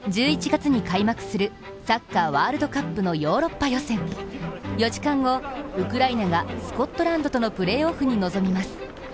１１月に開幕するサッカーワールドカップのヨーロッパ予選４時間後、ウクライナがスコットランドとのプレーオフに臨みます。